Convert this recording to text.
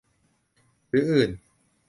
หรืออื่น